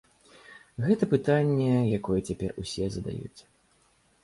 Гэта пытанне, якое цяпер усе задаюць.